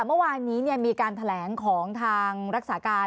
เมื่อวานนี้มีการแถลงของทางรักษาการ